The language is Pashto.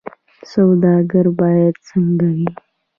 سوداګر باید څنګه وي؟